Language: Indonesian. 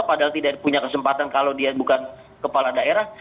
padahal tidak punya kesempatan kalau dia bukan kepala daerah